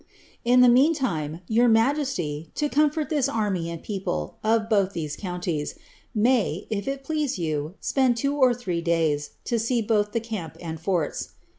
In the meantime, your majesty, to comfort this army and people, of both these counties, may, if it please you, spend two or three days, to see both the camp and forts.